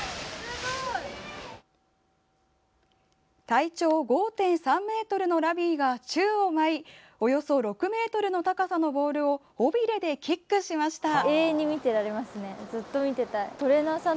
体長５．３ｍのラビーが宙を舞いおよそ６ｍの高さのボールを尾びれでキックしました。